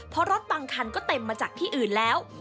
เพราะรถบางคันก็เต็มมาจากที่อื่นแล้ว